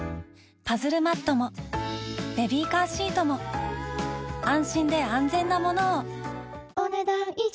パズルマットもベビーカーシートも安心で安全なものをお、ねだん以上。